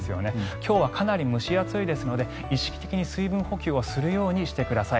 今日はかなり蒸し暑いですので意識的に水分補給をするようにしてください。